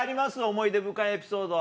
思い出深いエピソード。